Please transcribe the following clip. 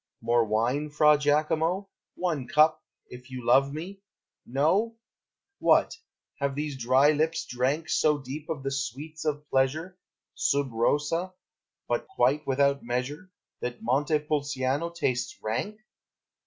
More wine, Fra Giacomo! One cup, if you love me! No? What, have these dry lips drank So deep of the sweets of pleasure Sub rosa, but quite without measure That Montepulciano tastes rank?